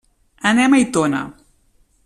Anem a Aitona.